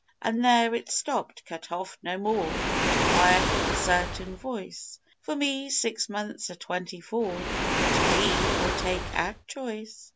An' there it stopped: cut off: no more; that quiet, certain voice For me, six months o' twenty four, to leave or take at choice.